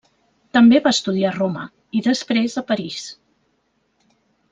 També va estudiar a Roma, i després, a París.